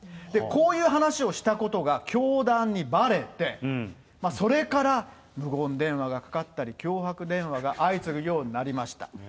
こういう話をしたことが教団にばれて、それから無言電話がかかったり、脅迫電話が相次ぐようになりました。